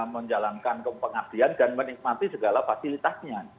menjalankan kepenghabdian dan menikmati segala fasilitasnya